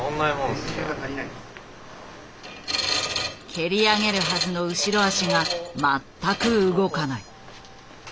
蹴り上げるはずの後脚が全く動かない。